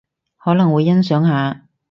可能會欣賞下